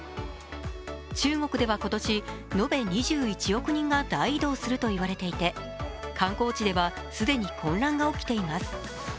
中国では今年、延べ２１億人が大移動すると言われていて観光地では既に混乱が起きています。